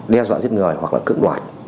đe dọa giết người hoặc là cưỡng đoạt